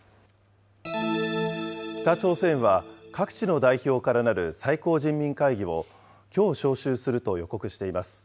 北朝鮮は、各地の代表からなる最高人民会議をきょう招集すると予告しています。